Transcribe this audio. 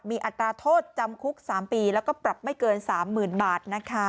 มีอัตราโทษจำคุก๓ปีแล้วก็ปรับไม่เกิน๓๐๐๐บาท